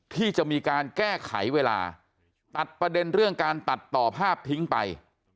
ที่จะมีการแก้ไขเวลาตัดประเด็นเรื่องการตัดต่อภาพทิ้งไป